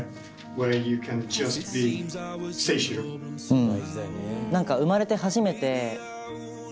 うん。